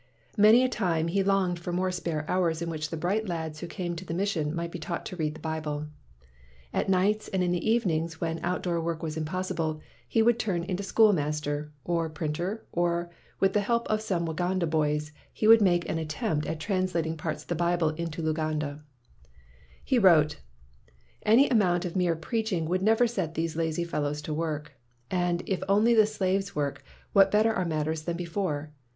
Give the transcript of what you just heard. Many a time he longed for more spare hours in which the bright lads who came to the mission might be taught to read the Bible. At nights and in the evenings when out door work was im possible, he would turn into schoolmaster, or printer, or, with the help of some Wa ganda boys, he would make an attempt at translating parts of the Bible into Luganda. 170 MACKAY'S NEW NAME He wrote: "Any amount of mere preaching would never set these lazy fel lows to work; and if only the slaves work, what better are matters than before'?